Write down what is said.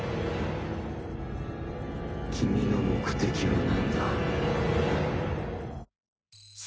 君の目的はなんだ？